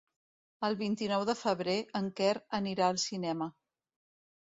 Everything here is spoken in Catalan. El vint-i-nou de febrer en Quer anirà al cinema.